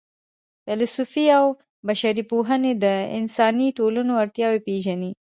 فېلسوفي او بشري پوهنې د انساني ټولنو اړتیاوې پېژني.